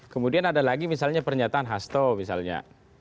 kemudian ada lagi misalnya pernyataan hasto misalnya